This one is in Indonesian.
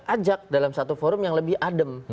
ajak dalam satu forum yang lebih adem